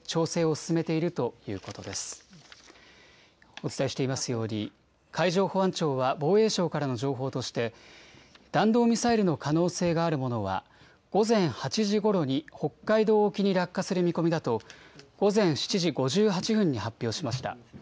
お伝えしていますように、海上保安庁は、防衛省からの情報として、弾道ミサイルの可能性があるものは、午前８時ごろに、北海道沖に落下する見込みだと、午前７時５８分に発表しました。